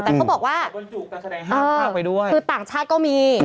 แต่เขาบอกว่าคือต่างชาติก็มี